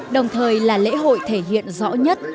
đồng thời là lễ hội thể hiện rõ nhất